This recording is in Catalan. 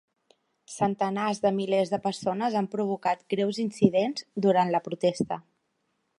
Centenars de milers de persones han provocat greus incidents durant la protesta.